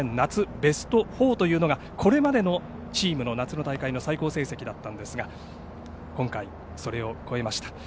ベスト４というのがこれまでのチームの夏の大会の最高成績だったんですが今回それを超えました。